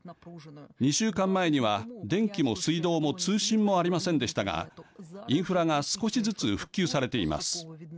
２週間前には電気も水道も通信もありませんでしたがインフラが少しずつ復旧されています。